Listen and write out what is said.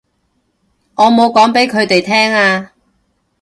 我冇講畀佢哋聽啊